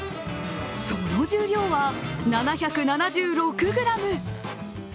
その重量は７７６ｇ。